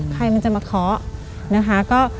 ใครมันจะมาเคาะ